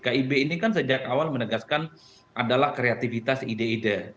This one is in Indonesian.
kib ini kan sejak awal menegaskan adalah kreativitas ide ide